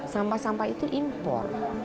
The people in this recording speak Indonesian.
sampah sampah itu impor